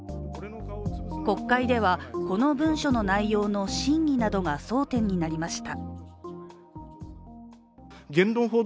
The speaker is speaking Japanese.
国会では、この文書の内容の真偽などが争点になりました。